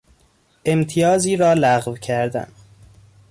امتیازی را لغو کردن